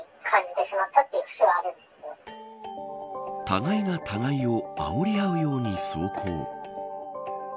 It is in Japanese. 互いが互いをあおり合うように走行。